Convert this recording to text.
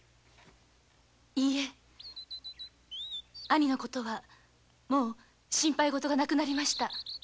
兄の事はもう心配事が無くなりました。